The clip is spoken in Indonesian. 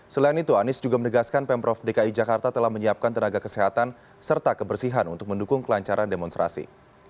selain itu anies juga menegaskan pemprov dki jakarta telah menyiapkan tenaga kesehatan serta kebersihan untuk mendukung kelancaran demonstrasi